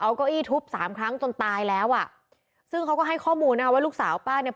เก้าอี้ทุบสามครั้งจนตายแล้วอ่ะซึ่งเขาก็ให้ข้อมูลนะคะว่าลูกสาวป้าเนี่ย